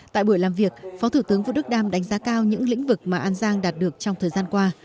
tại buổi làm việc phó thủ tướng vũ đức đam đánh giá cao những lĩnh vực mà an giang đạt được trong thời gian qua